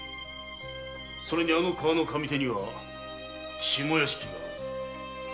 それにあの川の上手には下屋敷がある。